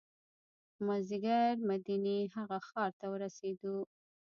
مازدیګر مدینې هغه ښار ته ورسېدو.